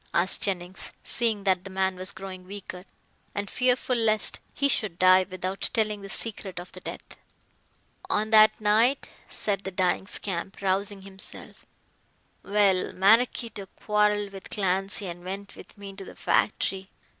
asked Jennings, seeing that the man was growing weaker, and fearful lest he should die without telling the secret of the death. "On that night," said the dying scamp, rousing himself; "well, Maraquito quarrelled with Clancy, and went with me to the factory."